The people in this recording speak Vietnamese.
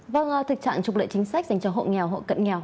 vâng thực trạng trục lợi chính sách dành cho hộ nghèo hộ cận nghèo